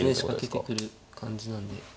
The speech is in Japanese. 仕掛けてくる感じなんで。